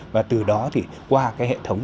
và từ đó thì qua cái hệ thống